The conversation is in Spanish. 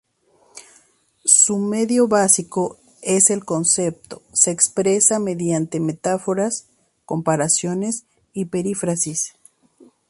Su medio básico es el concepto se expresa mediante metáforas, comparaciones y perífrasis.